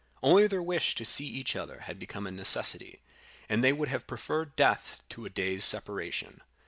Only their wish to see each other had become a necessity, and they would have preferred death to a day's separation.